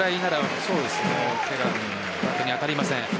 バットに当たりません。